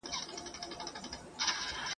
بې یسینه بې وصیته په کفن یو ..